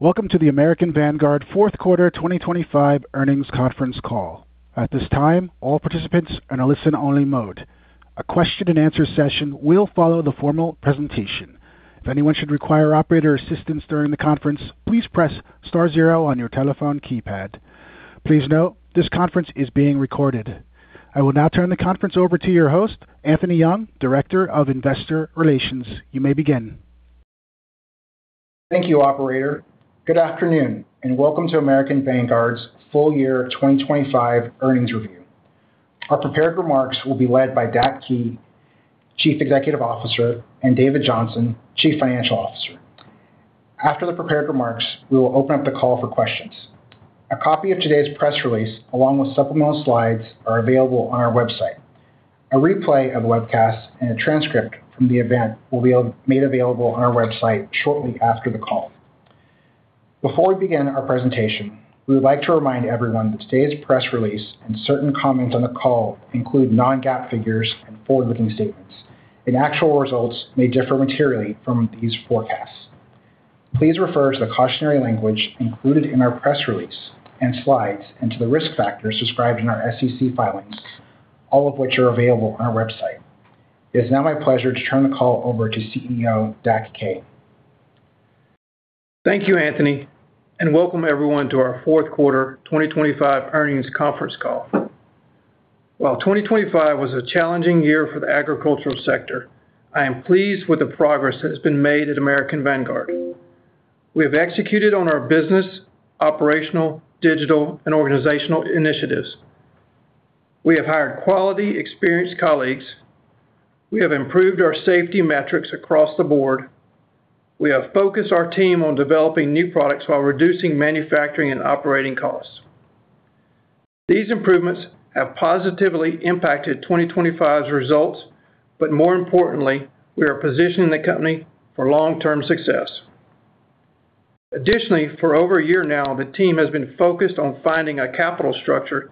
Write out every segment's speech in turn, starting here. Welcome to the American Vanguard Q4 2025 earnings conference call. At this time, all participants are in a listen-only mode. A question-and-answer session will follow the formal presentation. If anyone should require operator assistance during the conference, please press star zero on your telephone keypad. Please note this conference is being recorded. I will now turn the conference over to your host, Anthony Young, Director of Investor Relations. You may begin. Thank you, operator. Good afternoon, and welcome to American Vanguard's full-year 2025 earnings review. Our prepared remarks will be led by Dak Kaye III, Chief Executive Officer, and David Johnson, Chief Financial Officer. After the prepared remarks, we will open up the call for questions. A copy of today's press release, along with supplemental slides, are available on our website. A replay of the webcast and a transcript from the event will be made available on our website shortly after the call. Before we begin our presentation, we would like to remind everyone that today's press release and certain comments on the call include non-GAAP figures and forward-looking statements, and actual results may differ materially from these forecasts. Please refer to the cautionary language included in our press release and slides and to the risk factors described in our SEC filings, all of which are available on our website. It's now my pleasure to turn the call over to CEO, Dak Kaye. Thank you, Anthony, and welcome everyone to our Q4 2025 earnings conference call. While 2025 was a challenging year for the agricultural sector, I am pleased with the progress that has been made at American Vanguard. We have executed on our business, operational, digital, and organizational initiatives. We have hired quality, experienced colleagues. We have improved our safety metrics across the board. We have focused our team on developing new products while reducing manufacturing and operating costs. These improvements have positively impacted 2025's results, but more importantly, we are positioning the company for long-term success. Additionally, for over a year now, the team has been focused on finding a capital structure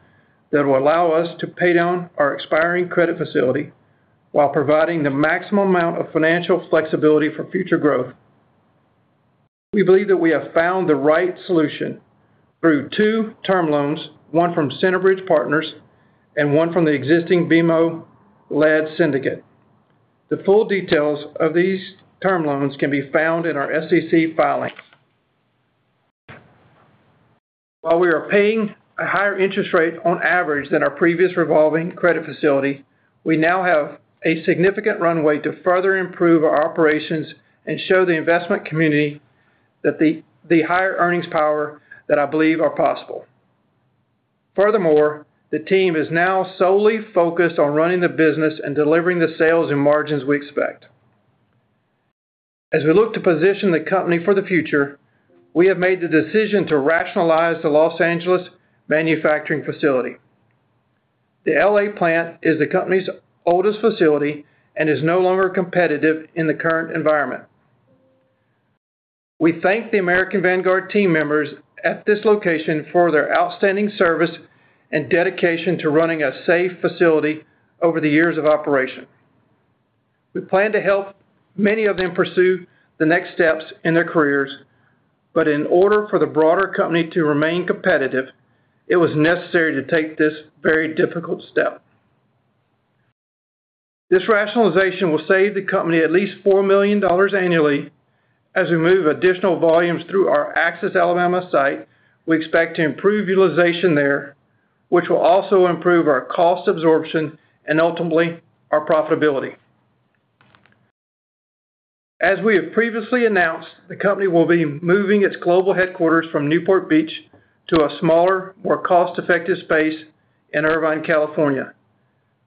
that will allow us to pay down our expiring credit facility while providing the maximum amount of financial flexibility for future growth. We believe that we have found the right solution through two term loans, one from Centerbridge Partners and one from the existing BMO-led syndicate. The full details of these term loans can be found in our SEC filings. While we are paying a higher interest rate on average than our previous revolving credit facility, we now have a significant runway to further improve our operations and show the investment community that the higher earnings power that I believe are possible. Furthermore, the team is now solely focused on running the business and delivering the sales and margins we expect. As we look to position the company for the future, we have made the decision to rationalize the Los Angeles manufacturing facility. The L.A. plant is the company's oldest facility and is no longer competitive in the current environment. We thank the American Vanguard team members at this location for their outstanding service and dedication to running a safe facility over the years of operation. We plan to help many of them pursue the next steps in their careers, but in order for the broader company to remain competitive, it was necessary to take this very difficult step. This rationalization will save the company at least $4 million annually. As we move additional volumes through our Axis, Alabama site, we expect to improve utilization there, which will also improve our cost absorption and ultimately our profitability. As we have previously announced, the company will be moving its global headquarters from Newport Beach to a smaller, more cost-effective space in Irvine, California.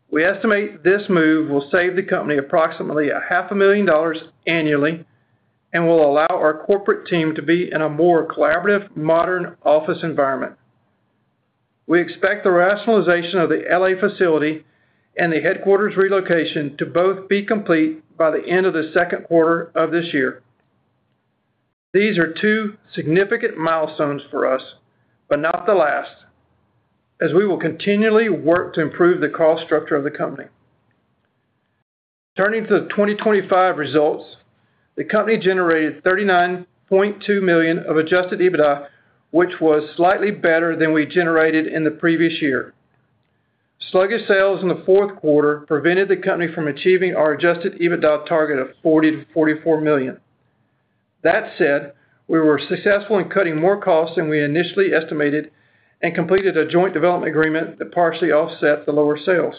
We estimate this move will save the company approximately a half a million dollars annually and will allow our corporate team to be in a more collaborative, modern office environment. We expect the rationalization of the L.A. facility and the headquarters relocation to both be complete by the end of the Q2 of this year. These are two significant milestones for us, but not the last, as we will continually work to improve the cost structure of the company. Turning to the 2025 results, the company generated $39.2 million of adjusted EBITDA, which was slightly better than we generated in the previous year. Sluggish sales in the Q4 prevented the company from achieving our adjusted EBITDA target of $40million-$44 million. That said, we were successful in cutting more costs than we initially estimated and completed a joint development agreement that partially offset the lower sales.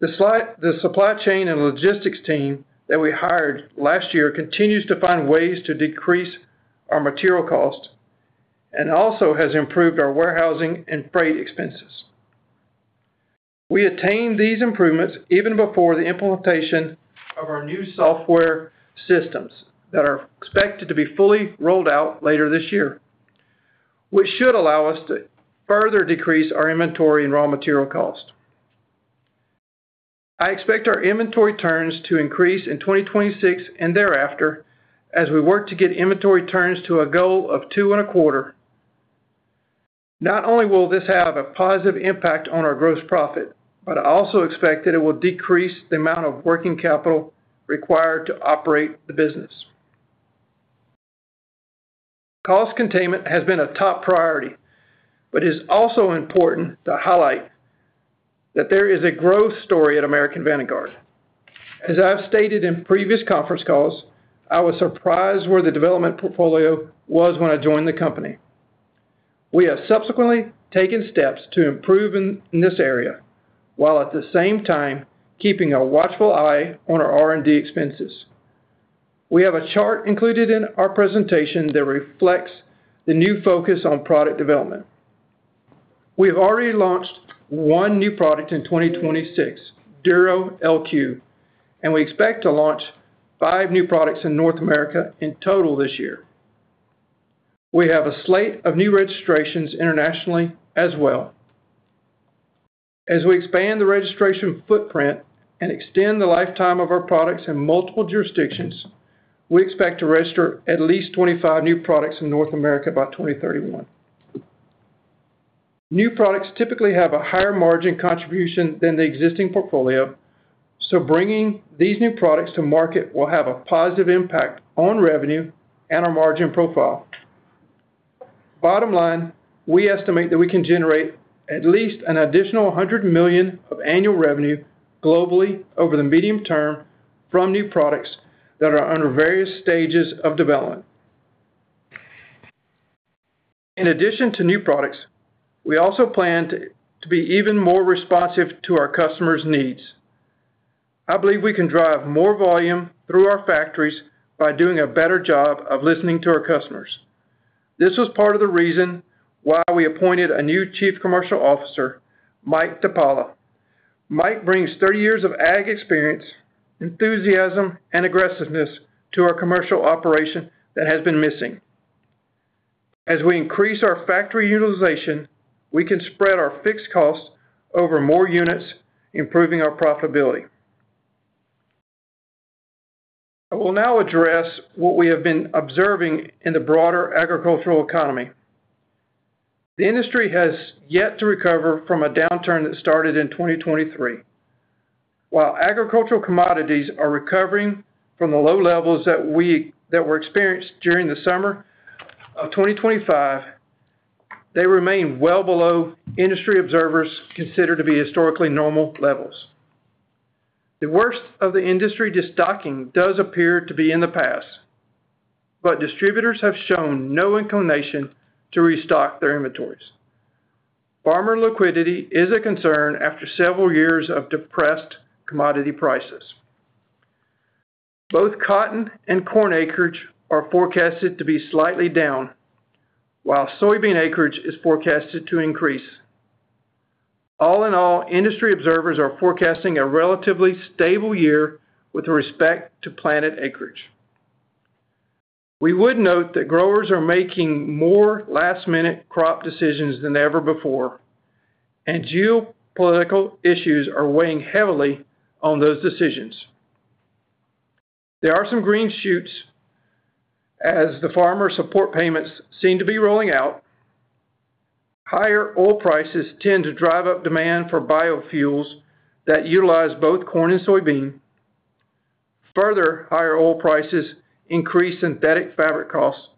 The supply chain and logistics team that we hired last year continues to find ways to decrease our material costs and also has improved our warehousing and freight expenses. We attained these improvements even before the implementation of our new software systems that are expected to be fully rolled out later this year, which should allow us to further decrease our inventory and raw material cost. I expect our inventory turns to increase in 2026 and thereafter as we work to get inventory turns to a goal of 2/4. Not only will this have a positive impact on our gross profit, but I also expect that it will decrease the amount of working capital required to operate the business. Cost containment has been a top priority, but it's also important to highlight that there is a growth story at American Vanguard. As I've stated in previous conference calls, I was surprised where the development portfolio was when I joined the company. We have subsequently taken steps to improve in this area, while at the same time keeping a watchful eye on our R&D expenses. We have a chart included in our presentation that reflects the new focus on product development. We have already launched one new product in 2026, Duro LQ, and we expect to launch five new products in North America in total this year. We have a slate of new registrations internationally as well. As we expand the registration footprint and extend the lifetime of our products in multiple jurisdictions, we expect to register at least 25 new products in North America by 2031. New products typically have a higher margin contribution than the existing portfolio, so bringing these new products to market will have a positive impact on revenue and our margin profile. Bottom line, we estimate that we can generate at least an additional $100 million of annual revenue globally over the medium term from new products that are under various stages of development. In addition to new products, we also plan to be even more responsive to our customers' needs. I believe we can drive more volume through our factories by doing a better job of listening to our customers. This was part of the reason why we appointed a new Chief Commercial Officer, Mike DiPaola. Mike brings 30 years of ag experience, enthusiasm, and aggressiveness to our commercial operation that has been missing. As we increase our factory utilization, we can spread our fixed costs over more units, improving our profitability. I will now address what we have been observing in the broader agricultural economy. The industry has yet to recover from a downturn that started in 2023. While agricultural commodities are recovering from the low levels that were experienced during the summer of 2025, they remain well below what industry observers consider to be historically normal levels. The worst of the industry destocking does appear to be in the past, but distributors have shown no inclination to restock their inventories. Farmer liquidity is a concern after several years of depressed commodity prices. Both cotton and corn acreage are forecasted to be slightly down, while soybean acreage is forecasted to increase. All in all, industry observers are forecasting a relatively stable year with respect to planted acreage. We would note that growers are making more last-minute crop decisions than ever before, and geopolitical issues are weighing heavily on those decisions. There are some green shoots as the farmer support payments seem to be rolling out. Higher oil prices tend to drive up demand for biofuels that utilize both corn and soybean. Further, higher oil prices increase synthetic fabric costs,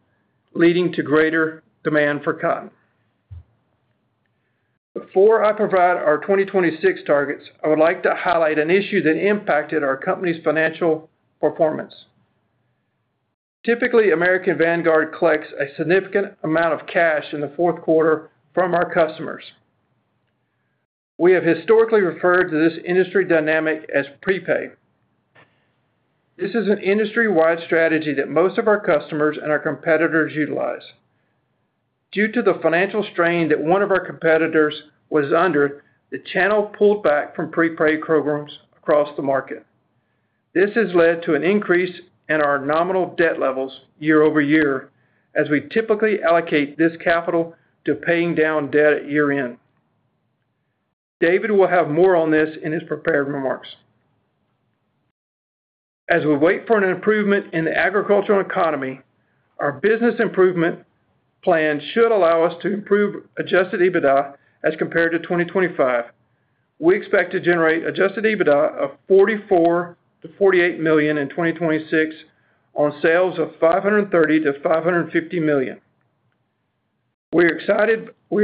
leading to greater demand for cotton. Before I provide our 2026 targets, I would like to highlight an issue that impacted our company's financial performance. Typically, American Vanguard collects a significant amount of cash in the Q4 from our customers. We have historically referred to this industry dynamic as prepay. This is an industry-wide strategy that most of our customers and our competitors utilize. Due to the financial strain that one of our competitors was under, the channel pulled back from prepay programs across the market. This has led to an increase in our nominal debt levels year-over-year as we typically allocate this capital to paying down debt at year-end. David will have more on this in his prepared remarks. As we wait for an improvement in the agricultural economy, our business improvement plan should allow us to improve adjusted EBITDA as compared to 2025. We expect to generate adjusted EBITDA of $44 million-$48 million in 2026 on sales of $530 million-$550 million. We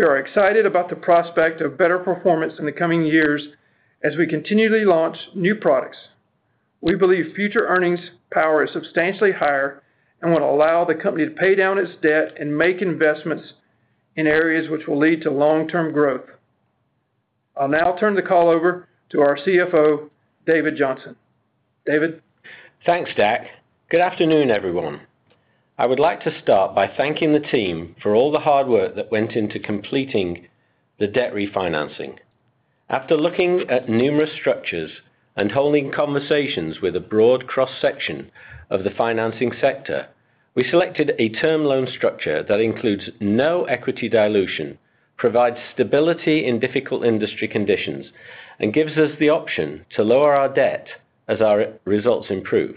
are excited about the prospect of better performance in the coming years as we continually launch new products. We believe future earnings power is substantially higher and will allow the company to pay down its debt and make investments in areas which will lead to long-term growth. I'll now turn the call over to our CFO, David Johnson. David? Thanks, Dak. Good afternoon, everyone. I would like to start by thanking the team for all the hard work that went into completing the debt refinancing. After looking at numerous structures and holding conversations with a broad cross-section of the financing sector, we selected a term loan structure that includes no equity dilution, provides stability in difficult industry conditions, and gives us the option to lower our debt as our results improve.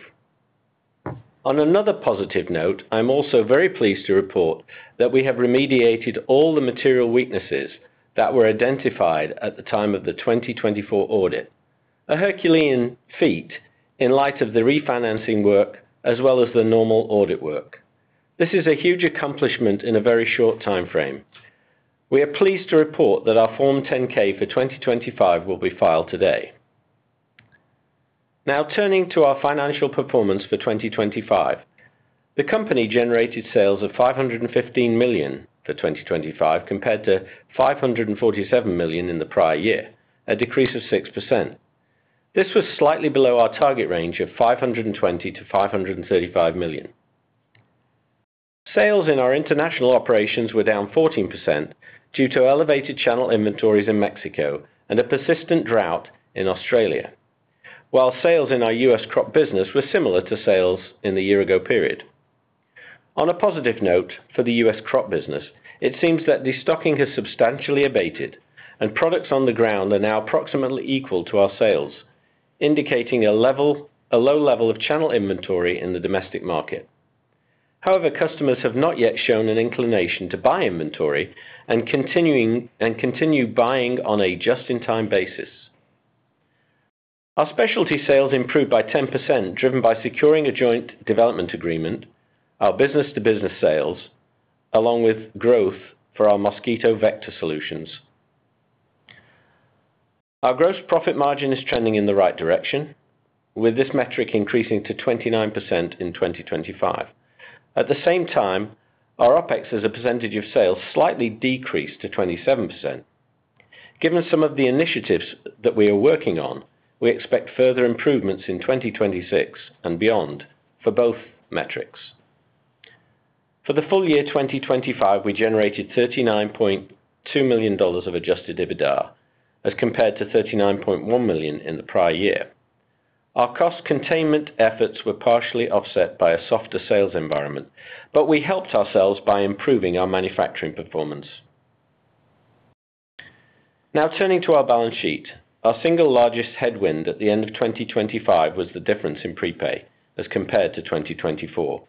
On another positive note, I'm also very pleased to report that we have remediated all the material weaknesses that were identified at the time of the 2024 audit. A Herculean feat in light of the refinancing work as well as the normal audit work. This is a huge accomplishment in a very short time frame. We are pleased to report that our Form 10-K for 2025 will be filed today. Now turning to our financial performance for 2025. The company generated sales of $515 million for 2025, compared to $547 million in the prior year, a decrease of 6%. This was slightly below our target range of $520 million-$535 million. Sales in our international operations were down 14% due to elevated channel inventories in Mexico and a persistent drought in Australia. While sales in our U.S. crop business were similar to sales in the year ago period. On a positive note for the U.S. crop business, it seems that the stocking has substantially abated and products on the ground are now approximately equal to our sales, indicating a low level of channel inventory in the domestic market. However, customers have not yet shown an inclination to buy inventory and continue buying on a just-in-time basis. Our specialty sales improved by 10%, driven by securing a joint development agreement, our business-to-business sales, along with growth for our mosquito vector solutions. Our gross profit margin is trending in the right direction, with this metric increasing to 29% in 2025. At the same time, our OpEx as a percentage of sales slightly decreased to 27%. Given some of the initiatives that we are working on, we expect further improvements in 2026 and beyond for both metrics. For the full-year 2025, we generated $39.2 million of adjusted EBITDA as compared to $39.1 million in the prior year. Our cost containment efforts were partially offset by a softer sales environment, but we helped ourselves by improving our manufacturing performance. Now turning to our balance sheet. Our single largest headwind at the end of 2025 was the difference in prepay as compared to 2024.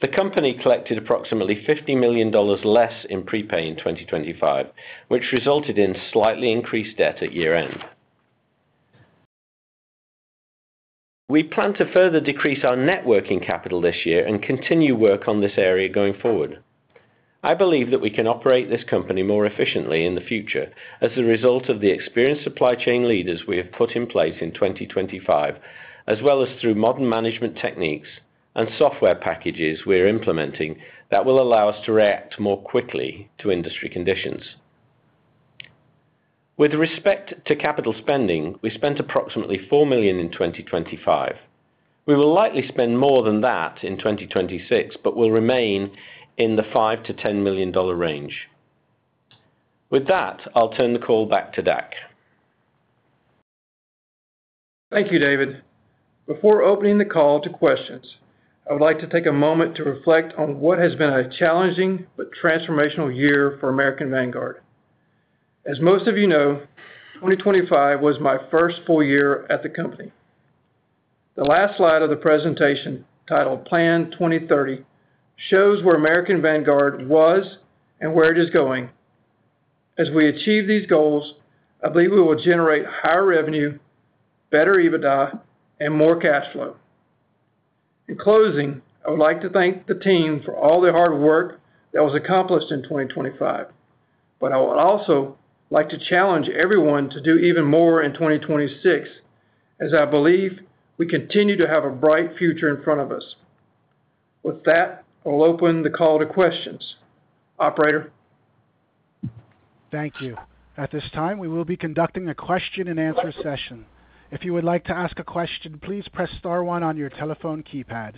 The company collected approximately $50 million less in prepay in 2025, which resulted in slightly increased debt at year-end. We plan to further decrease our net working capital this year and continue work on this area going forward. I believe that we can operate this company more efficiently in the future as a result of the experienced supply chain leaders we have put in place in 2025, as well as through modern management techniques and software packages we are implementing that will allow us to react more quickly to industry conditions. With respect to capital spending, we spent approximately $4 million in 2025. We will likely spend more than that in 2026, but will remain in the $5million-$10 million range. With that, I'll turn the call back to Dak. Thank you, David. Before opening the call to questions, I would like to take a moment to reflect on what has been a challenging but transformational year for American Vanguard. As most of you know, 2025 was my first full-year at the company. The last slide of the presentation, titled Plan 2030, shows where American Vanguard was and where it is going. As we achieve these goals, I believe we will generate higher revenue, better EBITDA and more cash flow. In closing, I would like to thank the team for all their hard work that was accomplished in 2025, but I would also like to challenge everyone to do even more in 2026 as I believe we continue to have a bright future in front of us. With that, I'll open the call to questions. Operator? Thank you. At this time, we will be conducting a question and answer session. If you would like to ask a question, please press star one on your telephone keypad.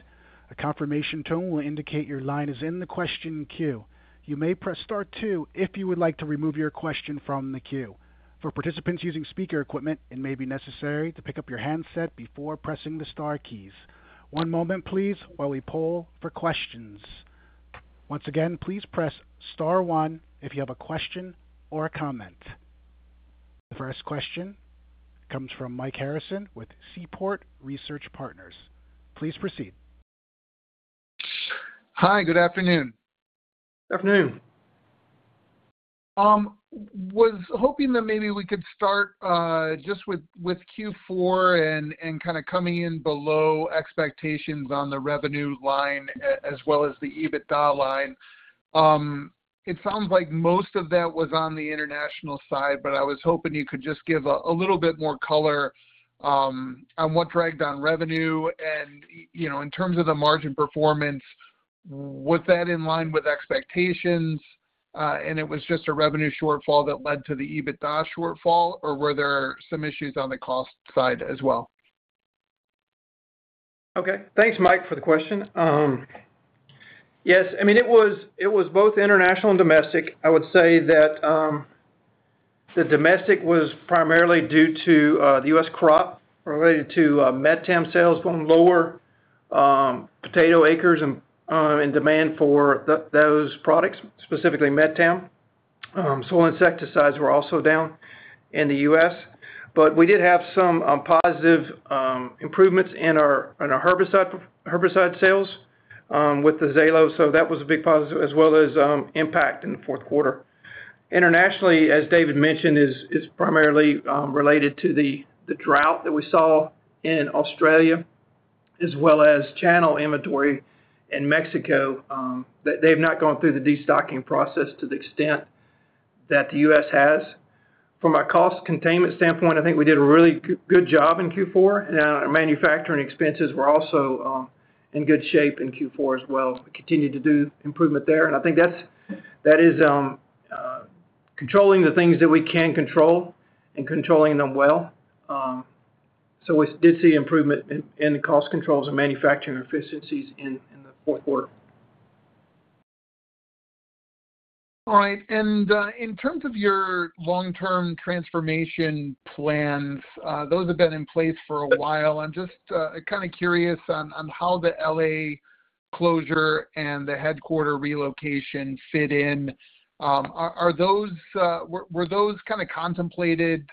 A confirmation tone will indicate your line is in the question queue. You may press star two if you would like to remove your question from the queue. For participants using speaker equipment, it may be necessary to pick up your handset before pressing the star keys. One moment please while we poll for questions. Once again, please press star one if you have a question or a comment. The first question comes from Mike Harrison with Seaport Research Partners. Please proceed. Hi. Good afternoon. Good afternoon. Was hoping that maybe we could start just with Q4 and kind of coming in below expectations on the revenue line as well as the EBITDA line. It sounds like most of that was on the international side, but I was hoping you could just give a little bit more color on what dragged on revenue and you know, in terms of the margin performance, was that in line with expectations, and it was just a revenue shortfall that led to the EBITDA shortfall, or were there some issues on the cost side as well? Okay. Thanks, Mike, for the question. Yes, I mean, it was both international and domestic. I would say that the domestic was primarily due to the U.S. crop related to metam sales going lower, potato acres and demand for those products, specifically metam soil insecticides were also down in the U.S.. We did have some positive improvements in our herbicide sales with the Xelo, so that was a big positive as well as impact in the Q4. Internationally, as David mentioned, is primarily related to the drought that we saw in Australia as well as channel inventory in Mexico that they've not gone through the destocking process to the extent that the U.S. has. From a cost containment standpoint, I think we did a really good job in Q4, and our manufacturing expenses were also in good shape in Q4 as well. We continued to do improvement there, and I think that's controlling the things that we can control and controlling them well. We did see improvement in the cost controls and manufacturing efficiencies in the Q4. All right. In terms of your long-term transformation plans, those have been in place for a while. I'm just kind of curious on how the L.A. closure and the headquarters relocation fit in. Were those kind of contemplated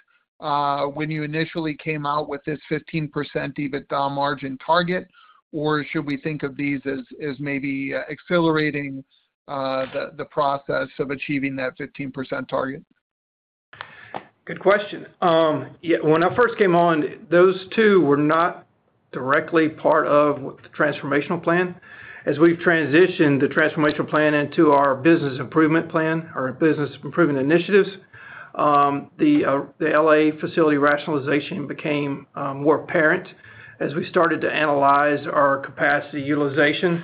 when you initially came out with this 15% EBITDA margin target? Or should we think of these as maybe accelerating the process of achieving that 15% target? Good question. Yeah, when I first came on, those two were not directly part of the transformational plan. As we've transitioned the transformational plan into our business improvement plan or business improvement initiatives, the L.A. facility rationalization became more apparent as we started to analyze our capacity utilization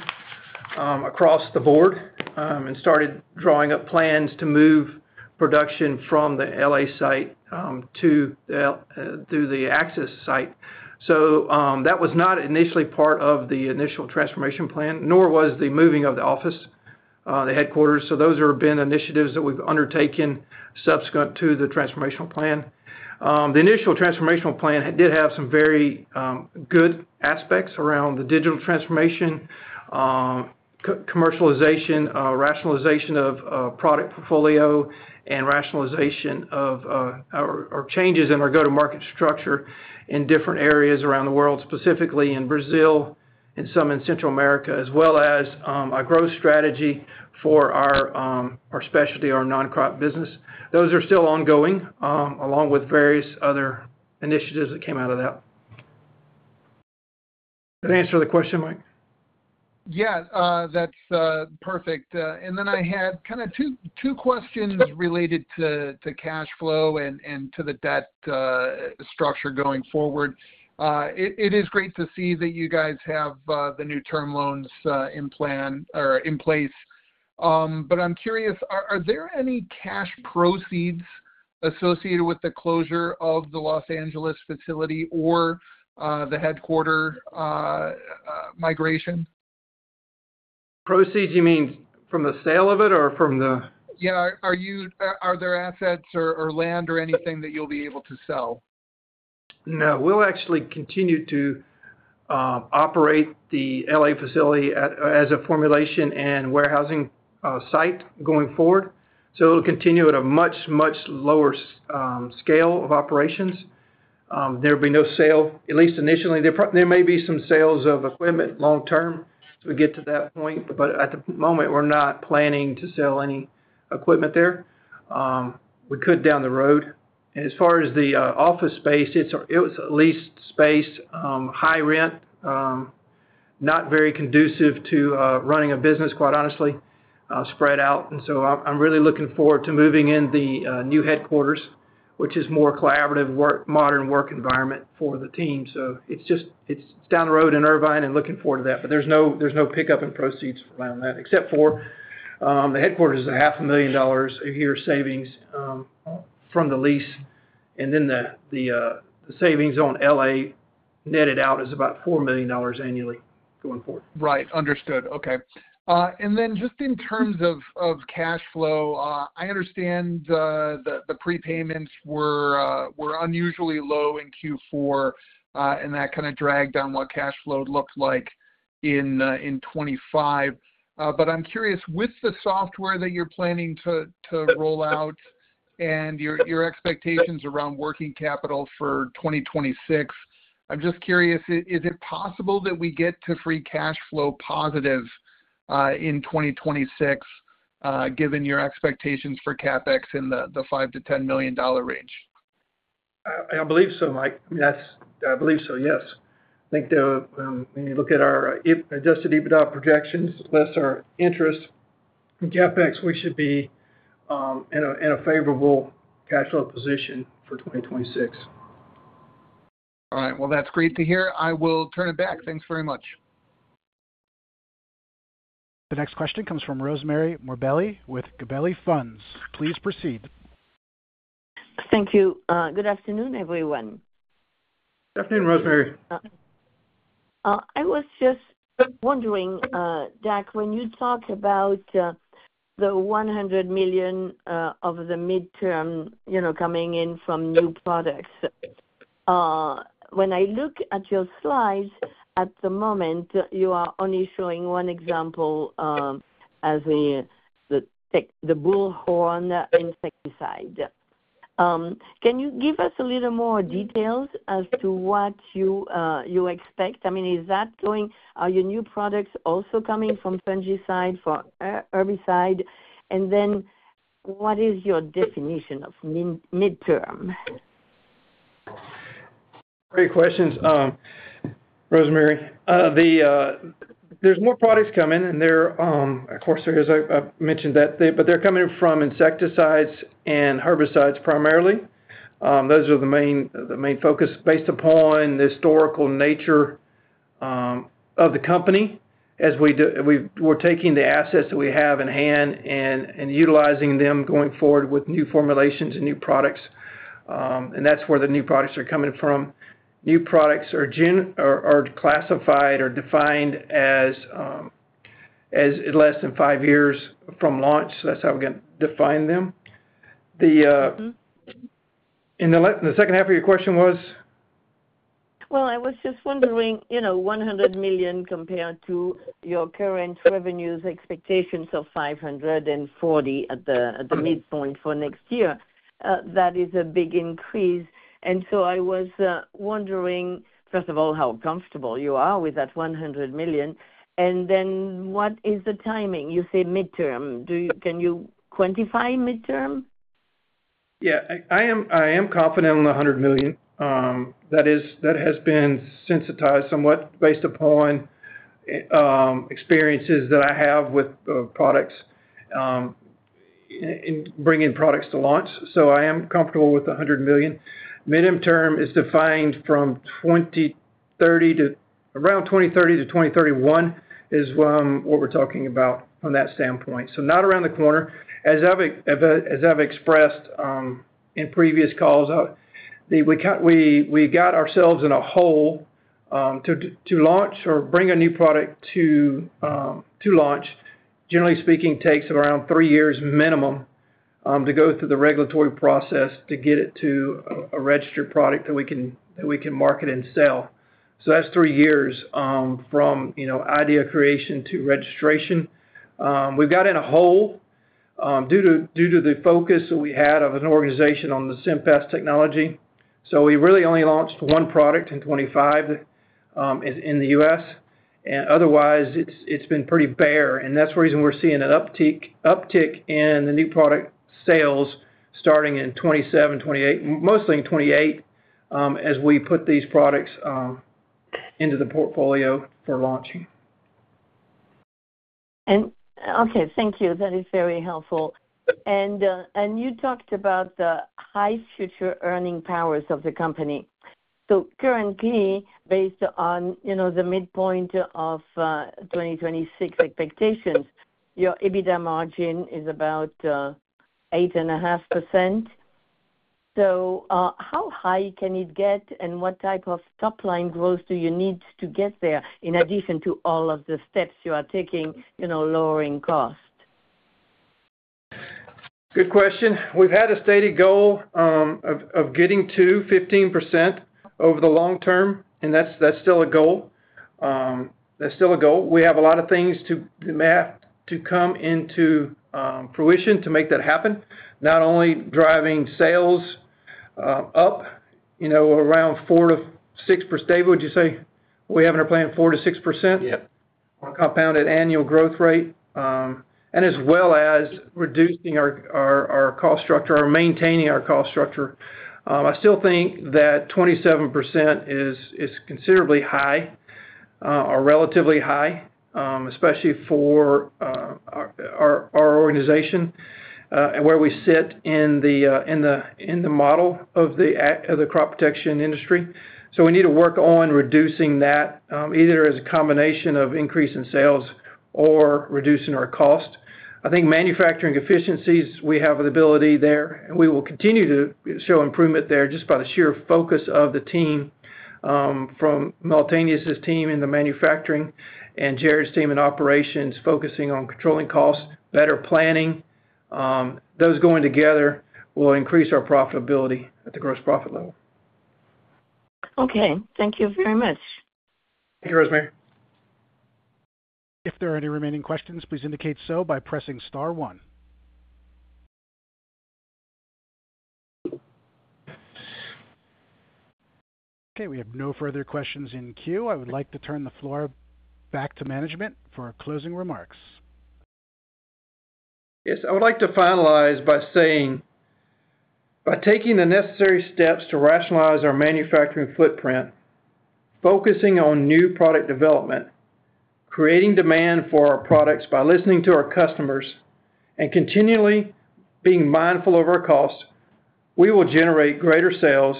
across the board and started drawing up plans to move production from the L.A. site to the Axis site. That was not initially part of the initial transformation plan, nor was the moving of the office, the headquarters. Those have been initiatives that we've undertaken subsequent to the transformational plan. The initial transformational plan did have some very good aspects around the digital transformation, co-commercialization, rationalization of product portfolio, and rationalization of changes in our go-to-market structure in different areas around the world, specifically in Brazil and some in Central America, as well as a growth strategy for our specialty, our non-crop business. Those are still ongoing along with various other initiatives that came out of that. Did I answer the question, Mike? Yeah. That's perfect. I had kind of two questions related to cash flow and to the debt structure going forward. It is great to see that you guys have the new term loans in plan or in place. I'm curious, are there any cash proceeds associated with the closure of the Los Angeles facility or the headquarters migration? Proceeds, you mean from the sale of it or from the? Yeah. Are there assets or land or anything that you'll be able to sell? No. We'll actually continue to operate the L.A. facility as a formulation and warehousing site going forward. It'll continue at a much lower scale of operations. There will be no sale, at least initially. There may be some sales of equipment long term as we get to that point. But at the moment, we're not planning to sell any equipment there. We could down the road. As far as the office space, it was a leased space, high rent, not very conducive to running a business, quite honestly, spread out. I'm really looking forward to moving in the new headquarters, which is more collaborative work, modern work environment for the team. It's down the road in Irvine. I'm looking forward to that. There's no pickup in proceeds around that, except for the headquarters is a $500,000 a year savings from the lease. The savings on L.A. netted out is about $4 million annually going forward. Right. Understood. Okay. Then just in terms of cash flow, I understand the prepayments were unusually low in Q4, and that kind of dragged down what cash flow looked like in 2025. I'm curious, with the software that you're planning to roll out and your expectations around working capital for 2026, I'm just curious, is it possible that we get to free cash flow positive in 2026, given your expectations for CapEx in the $5million-$10 million range? I believe so, Mike. I mean, I believe so, yes. I think when you look at our adjusted EBITDA projections, less our interest and CapEx, we should be in a favorable cash flow position for 2026. All right. Well, that's great to hear. I will turn it back. Thanks very much. The next question comes from Rosemarie Morbelli with Gabelli Funds. Please proceed. Good afternoon, Rosemarie. I was just wondering, Dak, when you talk about the $100 million of the midterm, you know, coming in from new products. When I look at your slides at the moment, you are only showing one example as the Bullhorn insecticide. Can you give us a little more details as to what you expect? I mean, is that going. Are your new products also coming from fungicide or herbicide? What is your definition of mid-term? Great questions, Rosemary. There's more products coming, and they're, of course, there is. I mentioned that. They're coming from insecticides and herbicides primarily. Those are the main focus based upon the historical nature of the company. We're taking the assets that we have in hand and utilizing them going forward with new formulations and new products. That's where the new products are coming from. New products are classified or defined as less than five years from launch. That's how we're gonna define them. Mm-hmm. The second half of your question was? Well, I was just wondering, you know, $100 million compared to your current revenues expectations of $540 million at the midpoint for next year, that is a big increase. I was wondering, first of all, how comfortable you are with that $100 million. What is the timing? You say midterm. Can you quantify midterm? Yeah. I am confident on the $100 million. That has been sensitized somewhat based upon experiences that I have with products in bringing products to launch. I am comfortable with the $100 million. Midterm is defined from 2030 to around 2030 to 2031 is what we're talking about from that standpoint. Not around the corner. As I've expressed in previous calls, we got ourselves in a hole to launch or bring a new product to launch. Generally speaking, takes around three years minimum to go through the regulatory process to get it to a registered product that we can market and sell. That's three years from you know idea creation to registration. We've got in a hole due to the focus that we had of an organization on the SIMPAS technology. We really only launched one product in 2025 in the U.S. otherwise, it's been pretty bare. That's the reason we're seeing an uptick in the new product sales starting in 2027, 2028, mostly in 2028, as we put these products into the portfolio for launching. Okay, thank you. That is very helpful. You talked about the high future earning powers of the company. Currently, based on, you know, the midpoint of 2026 expectations, your EBITDA margin is about 8.5%. How high can it get, and what type of top-line growth do you need to get there in addition to all of the steps you are taking, you know, lowering cost? Good question. We've had a stated goal of getting to 15% over the long term, and that's still a goal. That's still a goal. We have a lot of things to happen to come into fruition to make that happen. Not only driving sales up, you know, around 4%-6%. Dave, would you say we have in our plan 4%-6%? Yep. On compound annual growth rate, and as well as reducing our cost structure or maintaining our cost structure. I still think that 27% is considerably high or relatively high, especially for our organization, and where we sit in the model of the crop protection industry. We need to work on reducing that, either as a combination of increase in sales or reducing our cost. I think manufacturing efficiencies, we have an ability there, and we will continue to show improvement there just by the sheer focus of the team, from Nolteanous Gilliam's team in the manufacturing and Jared Straley's team in operations, focusing on controlling costs, better planning. Those going together will increase our profitability at the gross profit level. Okay, thank you very much. Thank you, Rosemarie. If there are any remaining questions, please indicate so by pressing star one. Okay, we have no further questions in queue. I would like to turn the floor back to management for closing remarks. Yes, I would like to finalize by saying, by taking the necessary steps to rationalize our manufacturing footprint, focusing on new product development, creating demand for our products by listening to our customers, and continually being mindful of our costs, we will generate greater sales,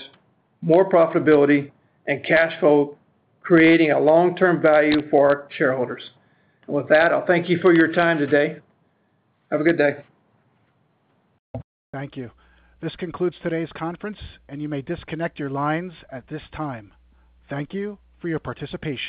more profitability, and cash flow, creating a long-term value for our shareholders. With that, I'll thank you for your time today. Have a good day. Thank you. This concludes today's conference, and you may disconnect your lines at this time. Thank you for your participation.